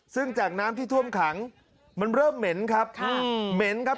ซึ่งจากน้ำที่ท่วมขังมันเริ่มเหม็นครับเหม็นครับ